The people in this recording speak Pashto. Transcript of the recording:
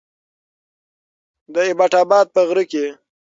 د ايبټ اباد په غره کې